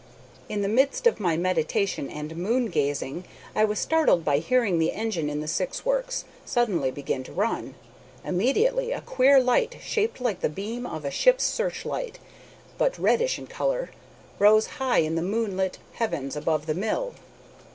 "In the midst of my meditation and moon gazing I was startled by hearing the engine in the Syx works suddenly begin to run. Immediately a queer light, shaped like the beam of a ship's searchlight, but reddish in color, rose high in the moonlit heavens above the mill.